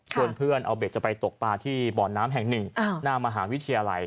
เพื่อนเอาเบ็ดจะไปตกปลาที่บ่อน้ำแห่งหนึ่งหน้ามหาวิทยาลัย